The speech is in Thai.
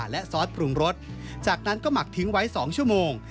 และซอสปรุงรสจากนั้นก็หมักทิ้งไว้๒ชั่วโมง